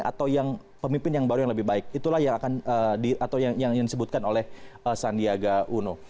atau pemimpin yang baru yang lebih baik itulah yang disebutkan oleh sandiaga uno